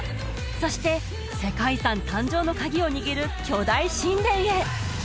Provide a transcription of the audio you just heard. そして世界遺産誕生のカギを握る巨大神殿へ！